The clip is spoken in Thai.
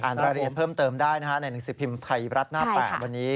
รายละเอียดเพิ่มเติมได้นะฮะในหนังสือพิมพ์ไทยรัฐหน้า๘วันนี้